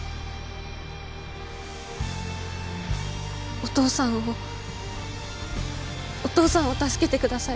お父さんをお父さんを助けてください